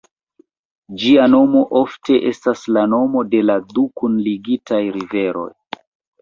Ĝia nomo ofte estas la nomo de la du kunligitaj riveroj.